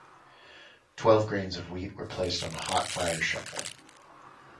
Twelve grains of wheat were placed on a hot fire-shovel.